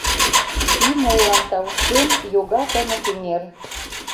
Ӱмыллан тауштен, йога тымык эҥер.